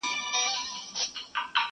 چي اَیینه وي د صوفي او میخوار مخ ته,